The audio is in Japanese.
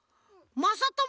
まさとも！